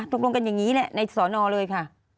ตกลงกันอย่างนี้แหละในสอนอเลยค่ะ